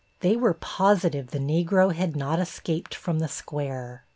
They were positive the Negro had not escaped from the square.